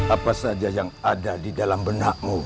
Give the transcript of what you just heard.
apa saja yang ada di dalam benakmu